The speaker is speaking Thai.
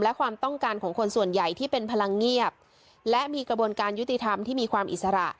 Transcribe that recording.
และความต้องการของคนส่วนใหญ่ที่เป็นพลังเงียบและมีกระบวนการยุติธรรมที่มีความอิสระ